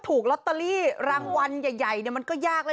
ถูกลอตเตอรี่รางวัลใหญ่มันก็ยากเลย